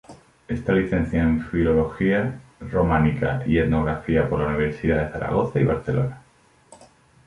Está licenciado en Filología Románica y Etnografía por las universidades de Zaragoza y Barcelona.